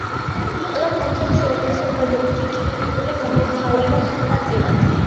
ყველა კონცერტს უაღრესად დადებითი კრიტიკული გამოხმაურება ხვდა წილად.